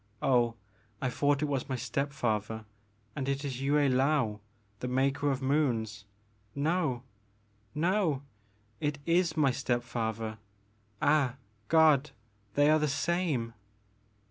Oh I thought it was my step father and it is Yue I^aou the Maker of Moons — no ! no ! it is my step father — ah God ! they are the same